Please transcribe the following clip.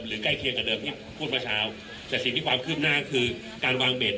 หรือใกล้เคียงกับเดิมที่พูดมาเช้าแต่สิ่งที่ความขึ้นหน้าคือการวาง